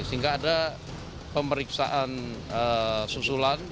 sehingga ada pemeriksaan susulan